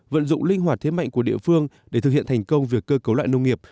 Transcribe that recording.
vận dụng linh hoạt thế mạnh của địa phương để thực hiện thành công việc cơ cấu lại nông nghiệp